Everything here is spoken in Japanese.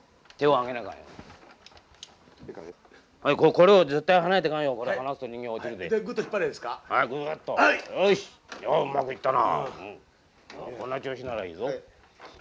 こんな調子ならいいぞ。